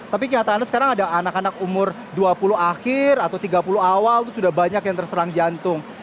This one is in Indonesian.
tapi kenyataannya sekarang ada anak anak umur dua puluh akhir atau tiga puluh awal itu sudah banyak yang terserang jantung